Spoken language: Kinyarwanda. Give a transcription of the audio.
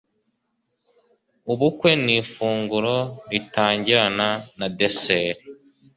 Ubukwe ni ifunguro ritangirana na desert